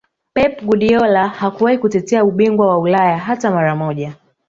Pep Guardiola hakuwahi kutetea ubingwa wa Ulaya hata mara moja